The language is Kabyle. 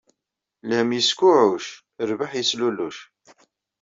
Lhemm yeskuɛɛuc, rbaḥ yesluluc